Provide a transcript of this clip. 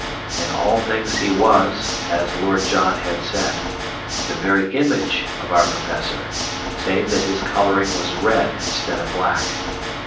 In all things he was, as Lord John had said, the very image of our Professor, save that his coloring was red instead of black.